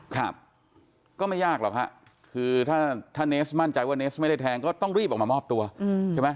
ครับก็ไม่ยากหรอกฮะคือถ้าถ้าเนสมั่นใจว่าเนสไม่ได้แทงก็ต้องรีบออกมามอบตัวใช่ไหม